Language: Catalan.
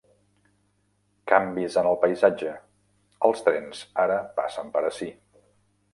Canvis en el paisatge. Els Trens ara passen per ací.